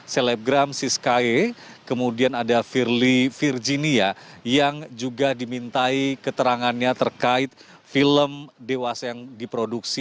selebgram siskaye kemudian ada firly virginia yang juga dimintai keterangannya terkait film dewasa yang diproduksi